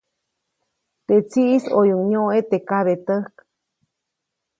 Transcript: Teʼ tsiʼis ʼoyuʼuŋ nyoʼe teʼ kabetäjk.